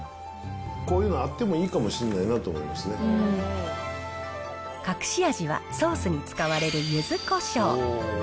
こういうのあってもいいかもしんな隠し味は、ソースに使われるゆずこしょう。